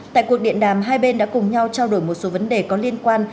tại cuộc điện đàm hai bên đã cùng nhau trao đổi một số vấn đề có liên quan